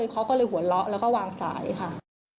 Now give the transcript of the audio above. เขาก็เลยหัวเราะแล้วก็วางสายค่ะ